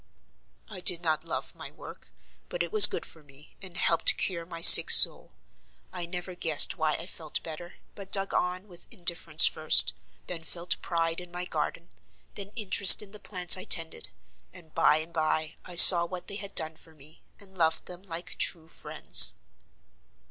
"I did not love my work; but it was good for me, and helped cure my sick soul. I never guessed why I felt better, but dug on with indifference first, then felt pride in my garden, then interest in the plants I tended, and by and by I saw what they had done for me, and loved them like true friends."